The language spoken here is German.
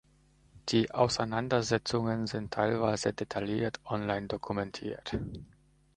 Die Auseinandersetzungen sind teilweise detailliert online dokumentiert.